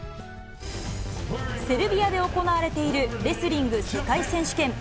セルビアで行われているレスリング世界選手権。